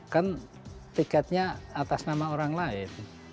kan tiketnya atas nama orang lain